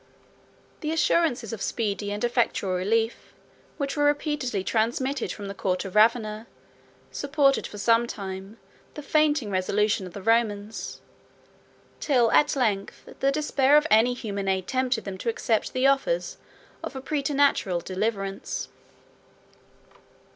The assurances of speedy and effectual relief, which were repeatedly transmitted from the court of Ravenna, supported for some time, the fainting resolution of the Romans, till at length the despair of any human aid tempted them to accept the offers of a praeternatural deliverance.